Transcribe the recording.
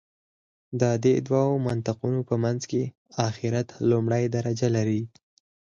د دې دوو منطقونو په منځ کې آخرت لومړۍ درجه لري.